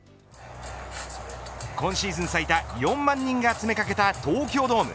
今シーズン最多４万人が詰め掛けた東京ドーム。